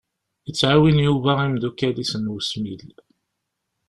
Yettɛiwin Yuba imeddukal-is n usmil.